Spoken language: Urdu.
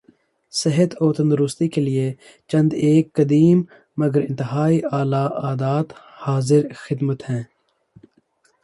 صحت و تندرستی کیلئے چند ایک قدیم مگر انتہائی اعلی عادات حاضر خدمت ہیں